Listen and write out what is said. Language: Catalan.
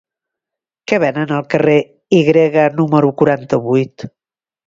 Què venen al carrer Y número quaranta-vuit?